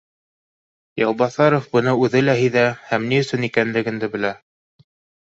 Яубаҫаров быны үҙе лә һиҙә һәм ни өсөн икәнлеген дә белә